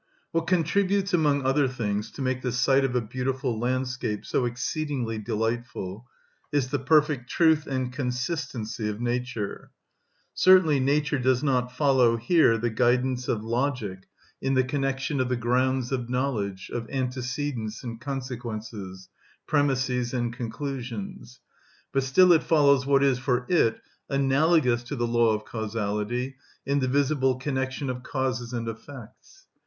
What contributes among other things to make the sight of a beautiful landscape so exceedingly delightful is the perfect truth and consistency of nature. Certainly nature does not follow here the guidance of logic in the connection of the grounds of knowledge, of antecedents and consequences, premisses and conclusions; but still it follows what is for it analogous to the law of causality in the visible connection of causes and effects.